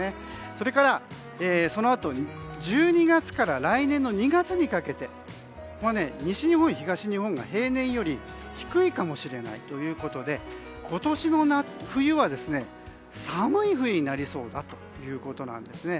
それから、そのあと１２月から来年２月にかけて西日本、東日本が平年より低いかもしれないということで今年の冬は寒い冬になりそうだということなんですね。